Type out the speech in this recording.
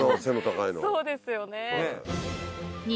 そうですよね。